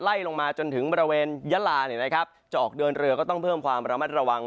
ไล่ลงมาจนถึงบริเวณยะลาจะออกเดินเรือก็ต้องเพิ่มความระมัดระวัง